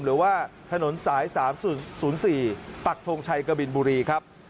หรือว่าถนนสาย๓๐๔ปักทงชัยกบินบุรีครับ